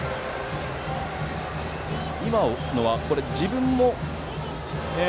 今のは自分も。